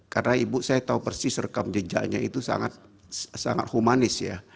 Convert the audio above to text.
karena ibu saya tahu persis rekam jejaknya itu sangat humanis ya